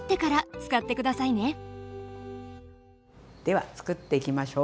ではつくっていきましょう。